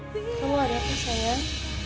kamu ada apa sayang